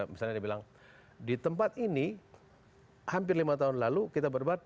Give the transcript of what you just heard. misalnya dia bilang di tempat ini hampir lima tahun lalu kita berdebat